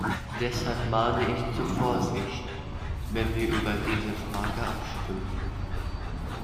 Deshalb mahne ich zur Vorsicht, wenn wir über diese Frage abstimmen.